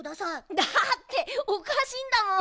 だっておかしいんだもん。